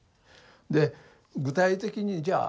で具体的にじゃあ